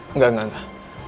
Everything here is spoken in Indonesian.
enggak enggak enggak